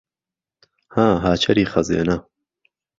ها هاچەری خەزێنه